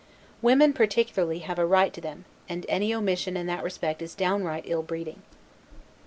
Women, particularly, have a right to them; and any omission in that respect is downright ill breeding.